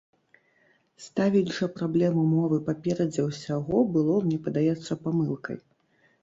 Ставіць жа праблему мовы паперадзе ўсяго было, мне падаецца, памылкай.